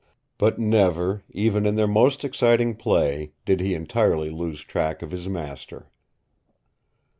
But never, even in their most exciting play, did he entirely lose track of his master.